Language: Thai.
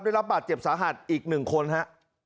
ได้รับบัตรเจ็บสาหัสอีกหนึ่งคนฮะ